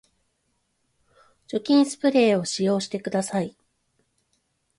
除菌スプレーを使用してください